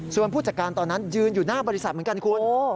ส่วนผู้จัดการตอนนั้นยืนอยู่หน้าบริษัทเหมือนกันคุณ